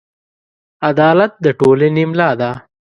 عدالت د ټولنې ملا ده.